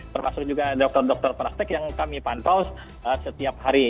termasuk juga dokter dokter praktek yang kami pantau setiap hari